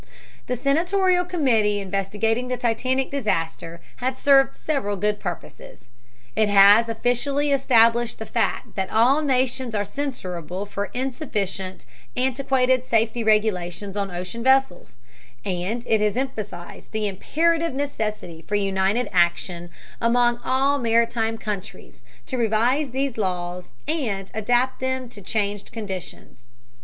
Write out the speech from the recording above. The senatorial committee investigating the Titanic disaster has served several good purposes. It has officially established the fact that all nations are censurable for insufficient, antiquated safety regulations on ocean vessels, and it has emphasized the imperative necessity for united action among all maritime countries to revise these laws and adapt them to changed conditions.